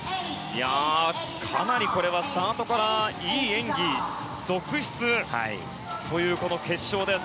かなりこれはスタートからいい演技続出という決勝です。